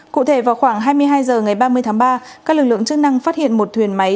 cụ thể vào khoảng hai mươi hai h ngày ba mươi tháng ba các lực lượng chức năng phát hiện một thuyền máy